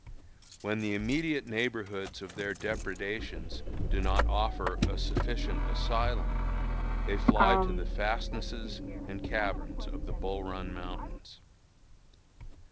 When the immediate neighborhoods of their depredations do not offer a sufficient asylum, they fly to the fastnesses and caverns of the Bull Run Mountains.